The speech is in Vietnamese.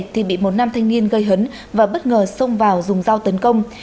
nhóm thanh niên gây hấn và bất ngờ xông vào dùng dao tấn công